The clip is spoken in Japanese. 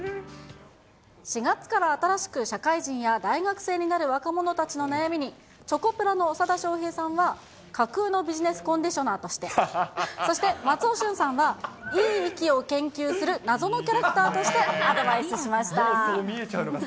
４月から新しく社会人や大学生になる若者たちの悩みに、チョコプラの長田庄平さんは、架空のビジネスコンディショナーとしてそして、松尾駿さんはいい息を研究する謎のキャラクターとしてアドバイスしました。